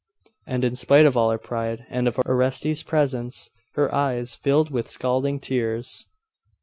And, in spite of all her pride, and of Orestes's presence, her eyes filled with scalding tears.